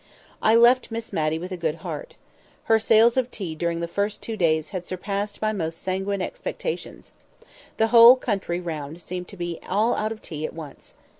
I left Miss Matty with a good heart. Her sales of tea during the first two days had surpassed my most sanguine expectations. The whole country round seemed to be all out of tea at once.